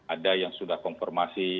ada yang sudah konfirmasi